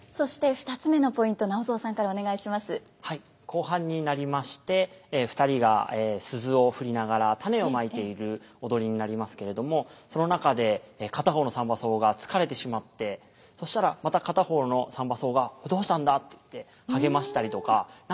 後半になりまして２人が鈴を振りながら種をまいている踊りになりますけれどもその中で片方の三番叟が疲れてしまってそしたらまた片方の三番叟が「どうしたんだ」って言って励ましたりとか「何で休むんだよ」